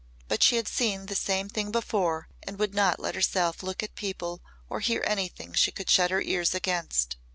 But she had seen the same thing before and would not let herself look at people or hear anything she could shut her ears against.